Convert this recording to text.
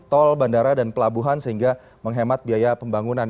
tol bandara dan pelabuhan sehingga menghemat biaya pembangunan